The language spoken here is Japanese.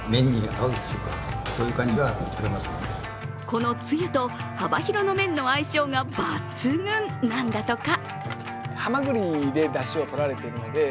このつゆと幅広の麺の相性が抜群なんだとか。